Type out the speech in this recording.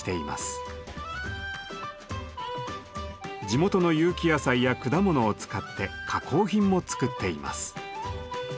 地元の有機野菜や果物を使って加工品も作っています。